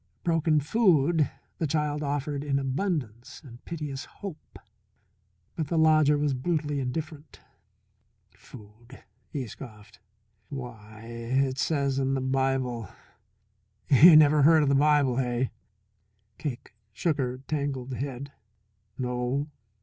Broken food the child offered in abundance and piteous hope. But the lodger was brutally indifferent. "Food," he scoffed. "Why, it says in the Bible you never heard of the Bible, hey?" Cake shook her tangled head. "No?